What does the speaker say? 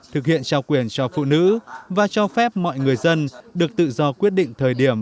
thực hiện trao quyền cho phụ nữ và cho phép mọi người dân được tự do quyết định thời điểm